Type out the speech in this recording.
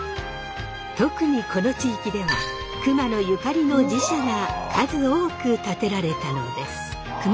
特にこの地域では熊野ゆかりの寺社が数多く建てられたのです。